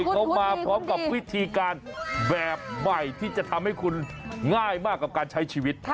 เขามาพร้อมกับวิธีการแบบใหม่ที่จะทำให้คุณง่ายมากกับการใช้ชีวิต